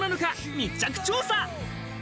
密着調査！